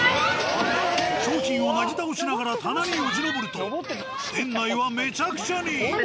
商品をなぎ倒しながら棚によじ登ると店内はめちゃくちゃに。